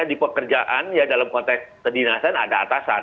di pekerjaan ya dalam konteks kedinasan ada atasan